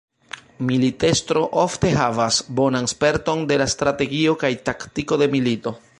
Militestro ofte havas bonan sperton de la strategio kaj taktiko de milito.